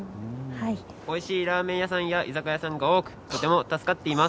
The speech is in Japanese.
おいしいラーメン屋さんや居酒屋さんが多くとても助かっています。